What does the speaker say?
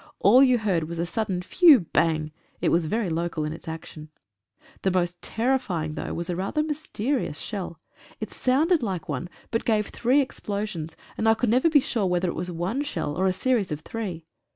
All you heard was a sudden phew bang. It was very local in its action. The most terri fying though was rather a mysterious shell. It sounded like one, but gave three explosions, and I could never be sure whether it was one shell, or a series of three.